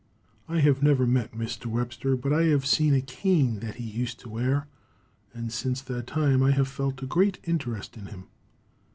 I have never met Mr. Webster, but I have seen a cane that he used to wear, and since that time I have felt a great interest in him.